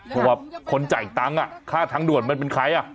เพราะว่าคนจ่ายตังค์ค่าทางด่วนมันเป็นใคร